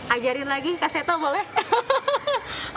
ajarin lagi kak seto boleh